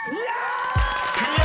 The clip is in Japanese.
［クリア！］